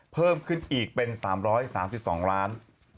เพิ่มขึ้นอีกเป็น๓๓๒ล้าน